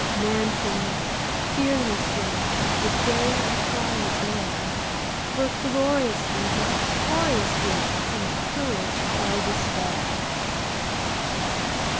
Manfuly, fearlessly, The day of trial bear, For gloriously, victoriously, Can courage quell dispair!